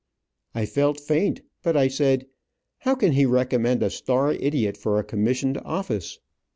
I felt faint, but I said, "How can he recommend a star idiot for a commissioned office?"